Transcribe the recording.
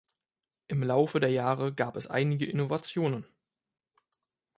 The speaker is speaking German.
Im Laufe der Jahre gab es einige Innovationen.